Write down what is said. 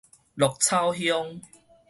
鹿草鄉